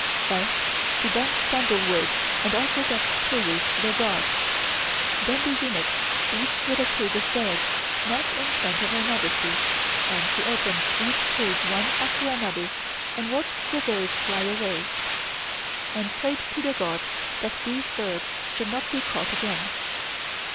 First she burnt sandal wood and offered up prayers to the Gods, then the eunuchs, each with a cage of birds, knelt in front of Her Majesty and she opened each cage one after another and watched the birds fly away, and prayed to the Gods that these birds should not be caught again.